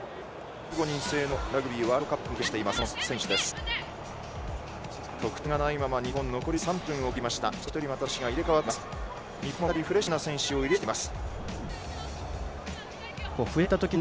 １５人制のラグビーワールドカップも経験しています、黒木。